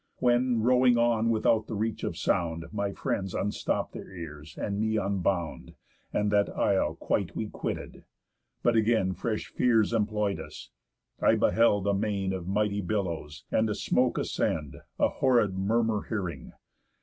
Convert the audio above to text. When, rowing on without the reach of sound, My friends unstopp'd their ears, and me unbound, And that isle quite we quitted. But again Fresh fears employ'd us. I beheld a main Of mighty billows, and a smoke ascend, A horrid murmur hearing.